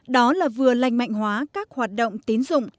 đó là vừa lành mạnh hóa các hoạt động tín dụng